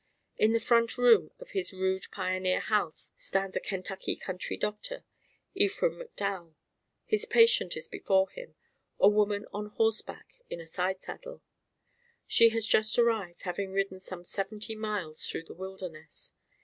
In the front door of his rude pioneer house stands a Kentucky country doctor, Ephraim MacDowell. His patient is before him, a woman on horseback in a side saddle. She has just arrived, having ridden some seventy miles through the wilderness.